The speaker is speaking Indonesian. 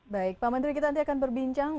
baik pak menteri kita nanti akan berbincang